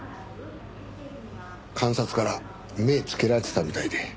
監察から目つけられてたみたいで。